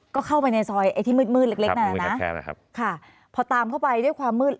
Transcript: ก็เข้าไปในซอยไอ้ที่มืดมืดเล็กนั่นน่ะนะค่ะพอตามเข้าไปด้วยความมืด